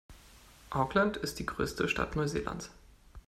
Auckland ist die größte Stadt Neuseelands.